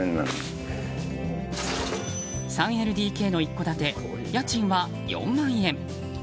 ３ＬＤＫの一戸建て家賃は４万円。